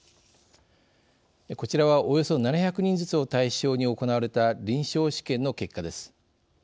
こちらはおよそ７００人ずつを対象に行われた臨床試験の結果です。